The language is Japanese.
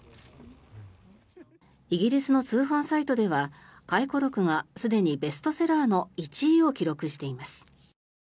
イギリスの通販サイトでは回顧録がすでにベストセラーの１位を記録しています。